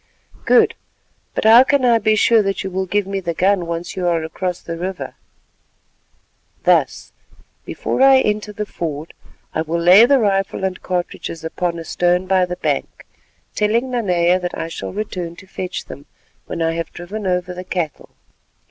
"Good, but how can I be sure that you will give me the gun once you are across the river?" "Thus: before I enter the ford I will lay the rifle and cartridges upon a stone by the bank, telling Nanea that I shall return to fetch them when I have driven over the cattle."